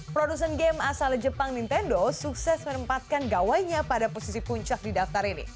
produsen game asal jepang nintendo sukses menempatkan gawainya pada posisi puncak di daftar ini